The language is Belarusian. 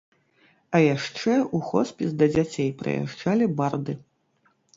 А яшчэ ў хоспіс да дзяцей прыязджалі барды.